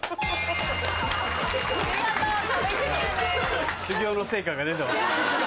見事壁クリアです。